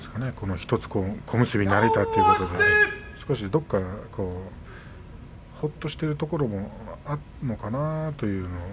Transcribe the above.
１つ小結になれたということでどこかほっとしているところもあるのかなという。